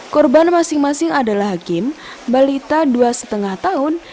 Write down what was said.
korban masing masing adalah hakim balita dua lima tahun